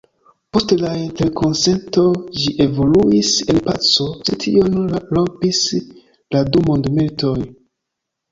Post la Interkonsento ĝi evoluis en paco, sed tion rompis la du mondmilitoj.